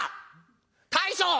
大将！